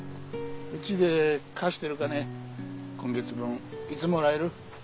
うちで貸してる金今月分いつもらえる？